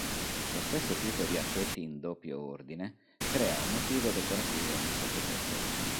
Lo stesso tipo di archetti in doppio ordine crea un motivo decorativo nel sottotetto.